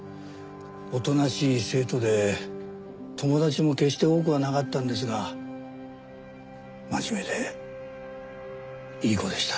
おとなしい生徒で友達も決して多くはなかったんですが真面目でいい子でした。